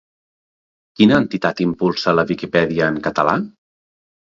Quina entitat impulsa la Viquipèdia en català?